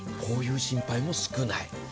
こういう心配も少ない。